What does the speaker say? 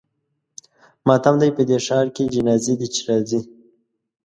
ماتم دی په دې ښار کې جنازې دي چې راځي.